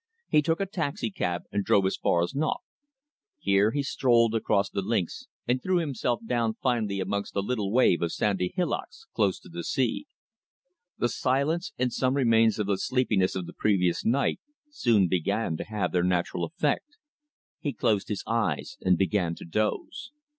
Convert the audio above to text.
He took a taxicab and drove as far as Knocke. Here he strolled across the links and threw himself down finally amongst a little wave of sandy hillocks close to the sea. The silence, and some remains of the sleepiness of the previous night, soon began to have their natural effect. He closed his eyes and began to doze.